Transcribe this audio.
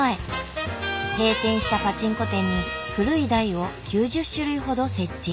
閉店したパチンコ店に古い台を９０種類ほど設置。